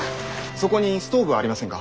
そこにストーブはありませんか？